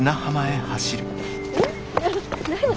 何？